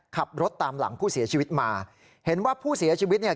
ขับรถตามหลังผู้เสียชีวิตมาเห็นว่าผู้เสียชีวิตเนี่ย